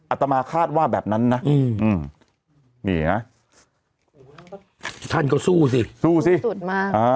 อัตมาคาดว่าแบบนั้นนะอืมเงี่ยท่านก็สู้สิสู้สิสุดมาก